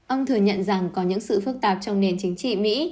ông thừa nhận rằng có những sự phức tạp trong nền chính trị mỹ